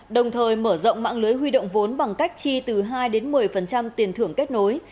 đồng thời mở rộng mạng lưới huy động vốn bằng cách chi từ hai đến một mươi tiền thưởng kết nối